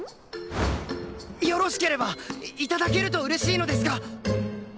よろしければ頂けると嬉しいのですが！